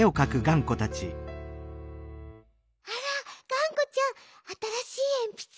あらがんこちゃんあたらしいえんぴつ？